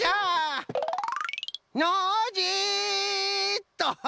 ノージーっと！